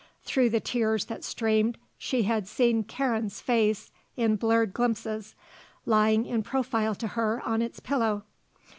Through the tears that streamed she had seen Karen's face in blurred glimpses, lying in profile to her on its pillow.